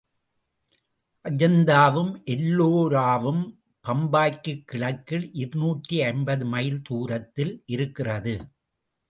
அஜந்தாவும் எல்லோராவும் பம்பாய்க்குக் கிழக்கில் இருநூற்று ஐம்பது மைல் தூரத்தில் இருக்கிறது.